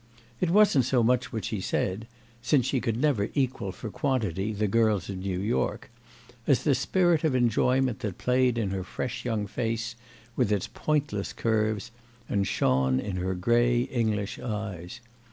It wasn't so much what she said—since she could never equal for quantity the girls of New York—as the spirit of enjoyment that played in her fresh young face, with its pointless curves, and shone in her grey English eyes.